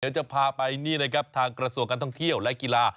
เดี๋ยวจะพาไปทางกระทรวงการท่องเที่ยวและกีฬา